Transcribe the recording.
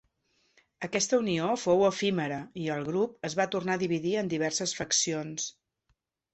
Aquesta unió fou efímera i el grup es va tornar a dividir en diverses faccions.